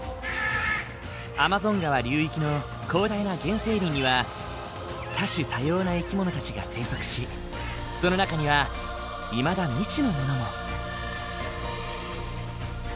アマゾン川流域の広大な原生林には多種多様な生き物たちが生息しその中にはいまだ未知のものも。